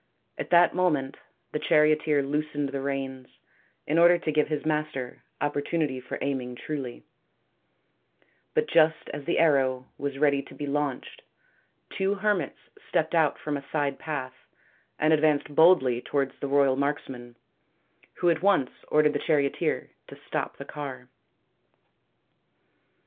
At that moment the charioteer loosened the reins in order to give his master opportunity for aiming truly, but just as the arrow was ready to be launched, two hermits stepped out from a side path and advanced boldly towards the royal marksman, who at once ordered the charioteer to stop the car.